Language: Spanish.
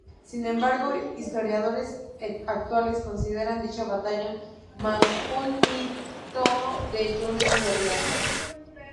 Sin embargo, historiadores actuales consideran dicha batalla más un mito que un hecho real.